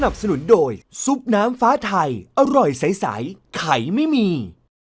สนุนโดยซุปน้ำฟ้าไทยอร่อยใสไข่ไม่มี